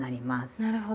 なるほど。